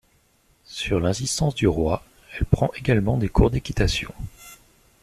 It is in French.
Sur l’insistance du roi, elle prend également des cours d’équitation.